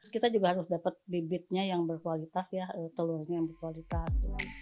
kita juga harus dapat bibitnya yang berkualitas ya telurnya yang berkualitas